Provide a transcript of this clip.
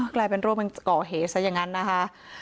กลายเป็นร่วมกันก่อเหตุซะอย่างนั้นนะคะ